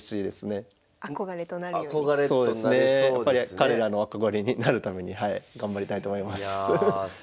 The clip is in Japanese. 彼らの憧れになるために頑張りたいと思います。